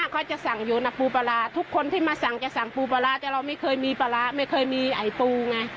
คนที่มาสั่งก็สั่งปลูปลาร้าแต่เราไม่เคยมีปลาร้าไม่เคยมีไอปลูไง